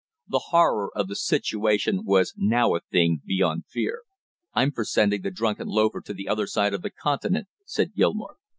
The horror of the situation was now a thing beyond fear. "I'm for sending the drunken loafer to the other side of the continent," said Gilmore.